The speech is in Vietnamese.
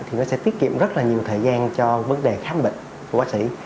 thì nó sẽ tiết kiệm rất là nhiều thời gian cho vấn đề khám bệnh của bác sĩ